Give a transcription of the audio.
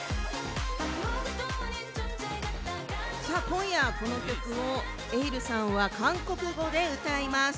今夜、この曲をｅｉｌｌさんは韓国語で歌います。